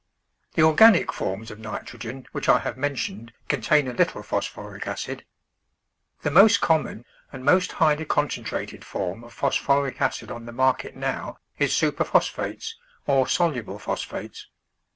The organic forms of nitrogen, which I have mentioned, contain a little phosphoric acid. The most common and most highly con centrated form of phosphoric acid on the market now is superphosphates, or soluble phosphates.